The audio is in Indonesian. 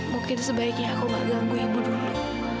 mungkin sebaiknya aku gak ganggu ibu dulu